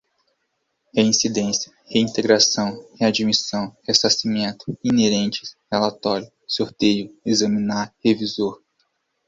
reincidência, reintegração, readmissão, ressarcimento, inerentes, relatório, sorteio, examinar, revisor